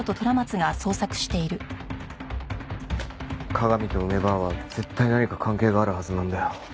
加賀美と梅ばあは絶対何か関係があるはずなんだよ。